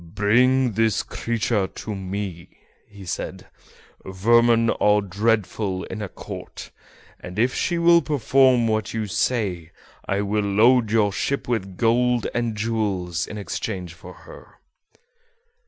"Bring this creature to me," said he; "vermin are dreadful in a court, and if she will perform what you say I will load your ship with gold and jewels in exchange for her."